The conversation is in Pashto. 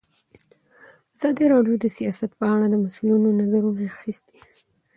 ازادي راډیو د سیاست په اړه د مسؤلینو نظرونه اخیستي.